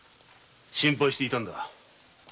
心配してたんだ。